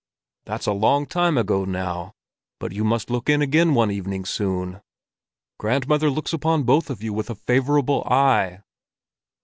"That's a long time ago now. But you must look in again one evening soon. Grandmother looks upon both of you with a favorable eye!"